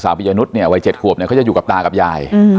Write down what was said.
ปียนุษย์เนี่ยวัย๗ขวบเนี่ยเขาจะอยู่กับตากับยาย